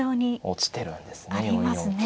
落ちてるんですね